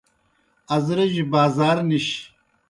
ازرِجیْ بازار نِش